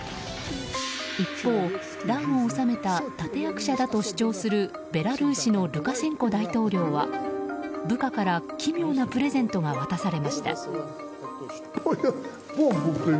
一方、乱を収めた立役者だと主張するベラルーシのルカシェンコ大統領は部下から奇妙なプレゼントが渡されました。